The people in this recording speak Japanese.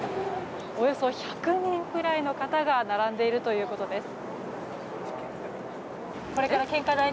およそ１００人くらいの方が並んでいるということです。